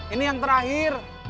ini yang terakhir